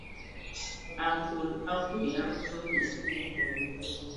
Akol akui ya a mfənge.